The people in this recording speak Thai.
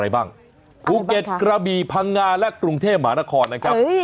อะไรบ้างค่ะอุเก็ตกระบีพังงาและกรุงเทพหมานครนะครับ